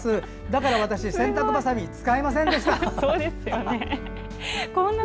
だから私洗濯ばさみが使えませんでした。